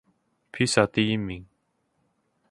披薩第一名